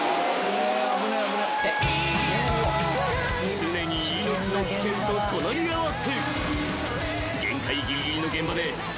［常に命の危険と隣り合わせ］